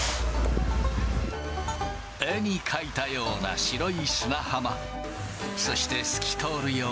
絵に描いたような白い砂浜。